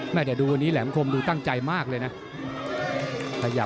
แต่ดูวันนี้แหลมคมดูตั้งใจมากเลยนะ